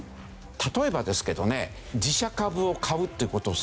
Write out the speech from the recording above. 例えばですけどね自社株を買うっていう事をするんですね。